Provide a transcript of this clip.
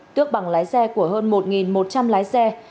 tước bằng lái xe của hơn một một trăm linh lái xe